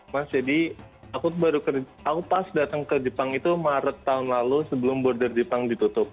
mas jadi aku baru aku pas datang ke jepang itu maret tahun lalu sebelum border jepang ditutup